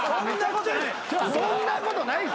そんなことない。